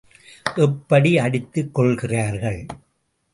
எப்படி அடித்துக் கொள்கிறார்கள்!...